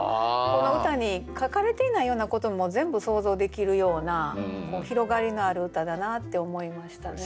この歌に書かれていないようなことも全部想像できるような広がりのある歌だなって思いましたね。